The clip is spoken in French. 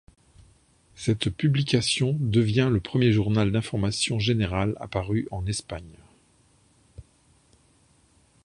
Cette publication devient le premier journal d'information générale apparu en Espagne.